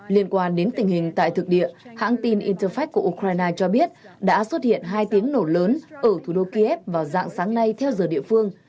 liên quan đến tình hình tại thực địa hãng tin interfak của ukraine cho biết đã xuất hiện hai tiếng nổ lớn ở thủ đô kiev vào dạng sáng nay theo giờ địa phương